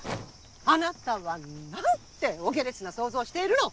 あなたはなんてお下劣な想像をしているの！